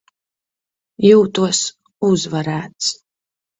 Jūtos uzvarēts.